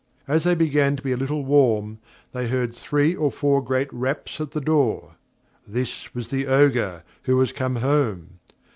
As they began to be a little warm, they heard three or four great raps at the door; this was the Ogre, who was come home.